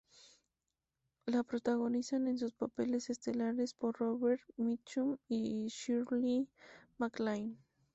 La protagonizan en sus papeles estelares por Robert Mitchum y Shirley MacLaine.